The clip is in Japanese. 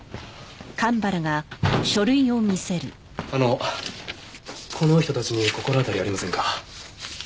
あのこの人たちに心当たりはありませんか？